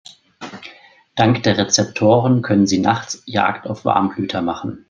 Dank der Rezeptoren können sie nachts Jagd auf Warmblüter machen.